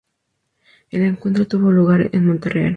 El encuentro tuvo lugar en Montreal.